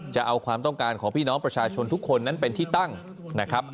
จะเอาความต้องการของพี่น้องประชาชนทุกคนนั้นเป็นที่ตั้งนะครับ